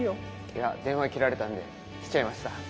いや電話切られたんで来ちゃいました。